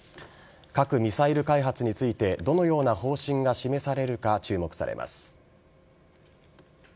核・ミサイル開発についてどのような方針が示されるか注目されます。